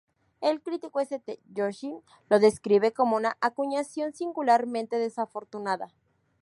El crítico S. T. Joshi lo describe como "una acuñación singularmente desafortunada".